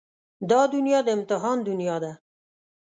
دا دنيا د امتحان دنيا ده.